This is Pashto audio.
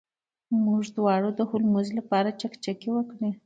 موږ دواړو د هولمز لپاره چکچکې وکړې.